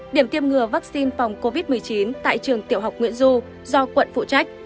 điểm tiêm ngừa vaccine phòng covid một mươi chín tại trường tiểu học nguyễn du do quận phụ trách